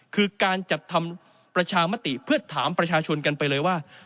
คือการจัดทำประชามติเพื่อถามประชาชนกันไปเลยว่า